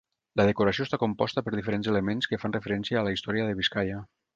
La decoració està composta per diferents elements que fan referència a la història de Biscaia.